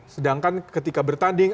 sedangkan ketika bertanding